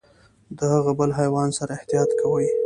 د هغه بل حیوان سره احتياط کوئ .